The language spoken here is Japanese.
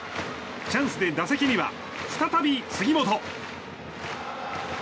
チャンスで打席には再び杉本。